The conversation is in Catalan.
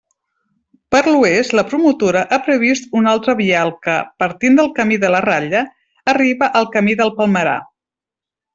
Per l'oest, la promotora ha previst un altre vial que, partint del camí de la Ratlla, arriba al camí del Palmerar.